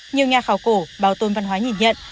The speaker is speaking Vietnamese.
nhiều nhà khảo cổ bảo tồn văn hóa nhìn nhận